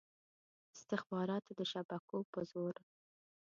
استخباراتو د شبکو په زور.